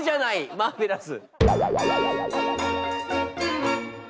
マーベラス。